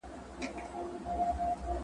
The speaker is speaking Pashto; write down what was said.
زه اوږده وخت موسيقي اورم وم؟!